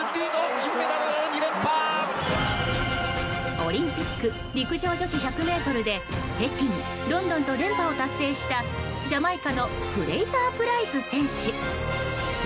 オリンピック陸上女子１００ｍで北京、ロンドンと連覇を達成したジャマイカのフレーザープライス選手！